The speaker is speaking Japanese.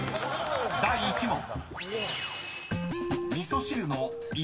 ［第１問］